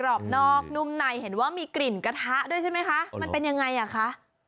รอบนอกนุ่มในเห็นว่ามีกลิ่นกระทะด้วยใช่ไหมคะมันเป็นยังไงอ่ะคะ